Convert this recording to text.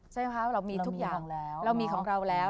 เรามีทุกอย่างเรามีของเราแล้ว